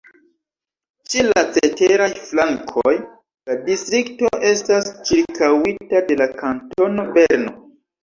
Ĉe la ceteraj flankoj la distrikto estas ĉirkaŭita de la Kantono Berno.